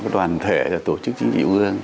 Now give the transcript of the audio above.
đoàn thể tổ chức chính trị trung ương